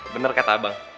bener kata abang